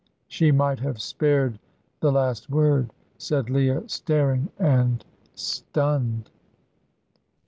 "She might have spared the last word," said Leah, staring and stunned.